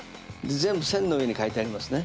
全部線の上に書いてありますね？